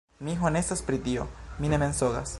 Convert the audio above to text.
Mi honestas pri tio; mi ne mensogas